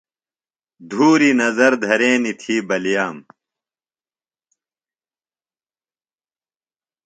دھوری نظر دھرینیۡ تھی بلِییم۔